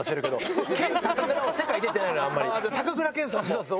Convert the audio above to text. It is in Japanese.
そうそう。